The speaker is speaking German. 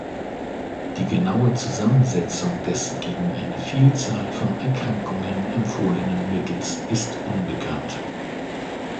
Die genaue Zusammensetzung des gegen eine Vielzahl von Erkrankungen empfohlenen Mittels ist unbekannt.